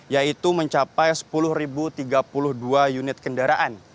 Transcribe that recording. yaitu mencapai sepuluh tiga puluh dua unit kendaraan